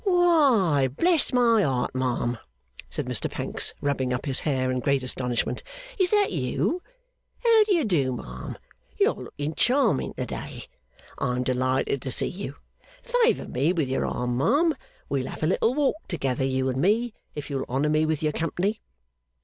'Why, bless my heart, ma'am!' said Mr Pancks, rubbing up his hair in great astonishment, 'is that you? How do you do, ma'am? You are looking charming to day! I am delighted to see you. Favour me with your arm, ma'am; we'll have a little walk together, you and me, if you'll honour me with your company.